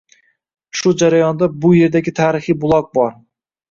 Shu jarayonda bu yerdagi tarixiy buloq bor.